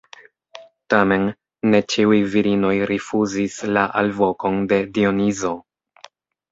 Tamen, ne ĉiuj virinoj rifuzis la alvokon de Dionizo.